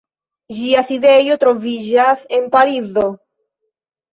Ĝia sidejo troviĝas en Parizo.